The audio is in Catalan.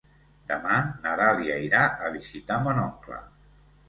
Demà na Dàlia irà a visitar mon oncle.